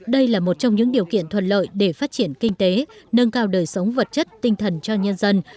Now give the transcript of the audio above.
đây là một trong những điều kiện thuận lợi để phát triển kinh tế nâng cao đời sống vật chất tinh thần cho nhân dân